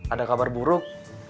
ada kabar buruk